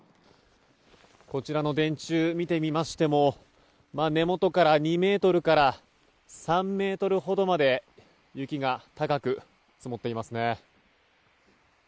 こちらの電柱見てみましても根元から２ｍから３ｍほどまで雪が高く積もっていますね。